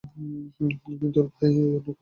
আমি তোর ভাই, অন্য কেউ তো না।